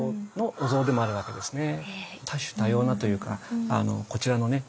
多種多様なというかこちらのね